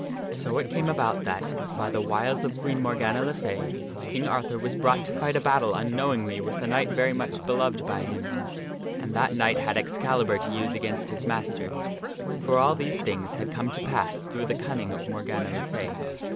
So it came about that, by the wiles of Queen Morgana le Fay, King Arthur was brought to fight a battle unknowingly with a knight very much beloved by him, and that that knight had Excalibur to use against his master. For all these things had come to pass through the cunning of Morgana le Fay.